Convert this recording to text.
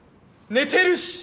寝てるし！